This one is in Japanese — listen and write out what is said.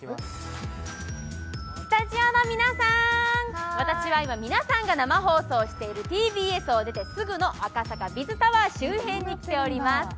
スタジオの皆さん、私は今、皆さんが生放送をしているＴＢＳを出てすぐの赤坂Ｂｉｚタワー周辺に来ています。